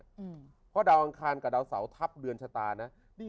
เพราะดาวอังคารกับดาวเสาทัพเรือนชะตานะดี